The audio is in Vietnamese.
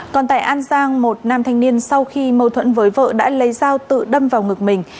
còn tại an giang một nam thanh niên sau khi mâu thuẫn với vợ đã lấy dao tự đâm vào ngực mình